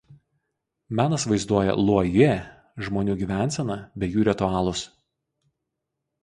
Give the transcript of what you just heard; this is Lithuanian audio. Menas vaizduoja Luo Yue žmonių gyvenseną bei jų ritualus.